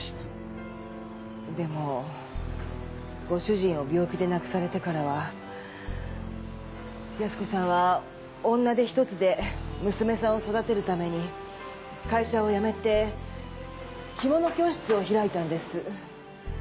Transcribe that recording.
でもご主人を病気で亡くされてからは泰子さんは女手一つで娘さんを育てるために会社を辞めて着物教室を開いたんです。